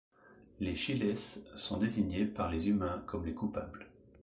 Les Chiles sont désignés par les humains comme les coupables.